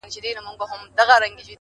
د زمان په لاس کي اوړمه زمولېږم.!